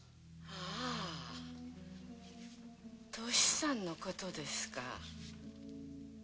あぁ敏さんのことですか。